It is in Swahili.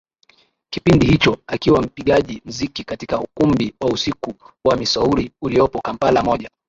kipindi hicho akiwa mpigaji mziki katika ukumbi wa usiku wa Missouri uliopo Kampala Moja